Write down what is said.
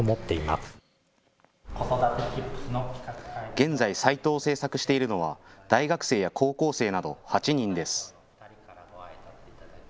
現在、サイトを制作しているのは大学生や高校生など８人です。